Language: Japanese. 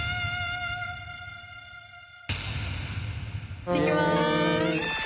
いってきます！